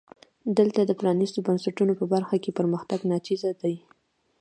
دلته د پرانیستو بنسټونو په برخه کې پرمختګونه ناچیزه دي.